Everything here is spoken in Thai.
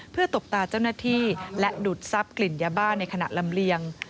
เพื่อตบตาเจ้าหน้าที่และดูดทรัพย์กลิ่นยาบ้าในขณะลำเลียง